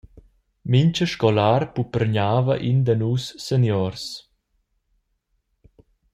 Mintga scolar puppergnava in da nus seniors.